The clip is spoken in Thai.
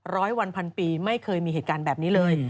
ร้อยวันพันปีไม่เคยมีเหตุการณ์แบบนี้เลย